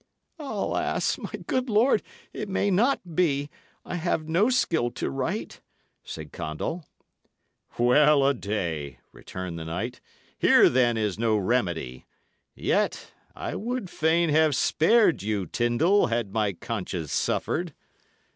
"Alas! my good lord, it may not be; I have no skill to write," said Condall. "Well a day!" returned the knight. "Here, then, is no remedy. Yet I would fain have spared you, Tyndal, had my conscience suffered.